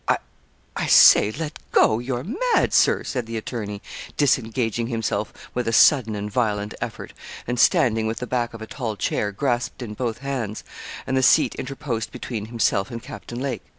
'I I say, let go. You're mad, Sir,' said the attorney, disengaging himself with a sudden and violent effort, and standing, with the back of a tall chair grasped in both hands, and the seat interposed between himself and Captain Lake.